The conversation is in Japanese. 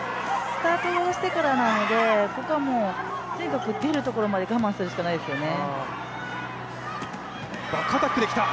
スタートしてからなので出るところまで我慢するしかないですよね。